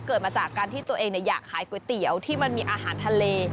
มาจากการที่ตัวเองอยากขายก๋วยเตี๋ยวที่มันมีอาหารทะเล